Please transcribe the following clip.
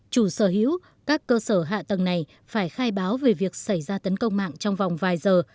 chủ sở hữu các cơ sở hạ tầng này phải khai báo về việc xảy ra tấn công mạng trong vòng vài giờ